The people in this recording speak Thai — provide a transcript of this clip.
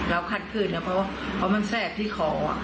เราคัดผืนเพราะมันแทรกที่ขอ